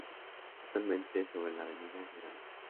Actualmente, sobre la Avenida Gral.